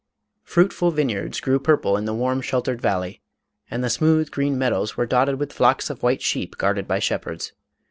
Fruitful vineyards grew purple in the warm sheltered valley, and the smooth green meadows were dotted with flocks 496 MADAME ROLAND. of white sheep guarded by shepherds.